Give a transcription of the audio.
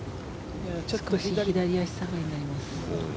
ちょっと左足下がりになります。